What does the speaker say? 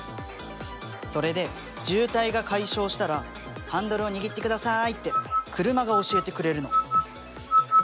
それで渋滞が解消したら「ハンドルを握ってください」って車が教えてくれるの。